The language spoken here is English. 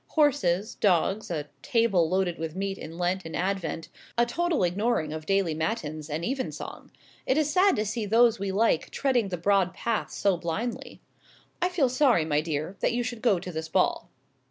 Horses, dogs, a table loaded with meat in Lent and Advent, a total ignoring of daily matins and even song. It is sad to see those we like treading the broad path so blindly. I feel sorry, my dear, that you should go to this ball."